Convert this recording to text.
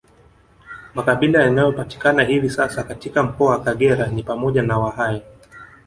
Makabila yanayopatikana hivi sasa katika mkoa wa Kagera ni pamoja na Wahaya